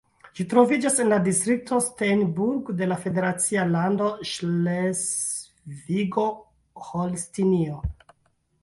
Ĝi troviĝas en la distrikto Steinburg de la federacia lando Ŝlesvigo-Holstinio.